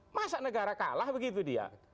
masa negara kalah begitu dia